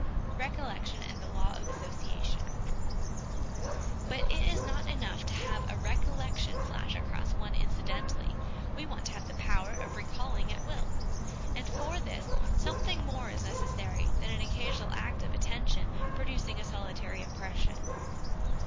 Recollection and the Law of Association. But it is not enough to have a recollection flash across one incidentally ; we want to have the power of recalling at will : and for this, something more is necessary than an occasional act of attention producing a solitary impression.